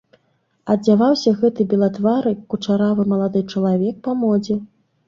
Адзяваўся гэты белатвары кучаравы малады чалавек па модзе.